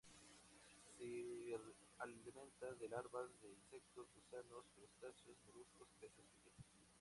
Se alimenta de larvas de insectos, gusanos, crustáceos, moluscos, peces pequeños.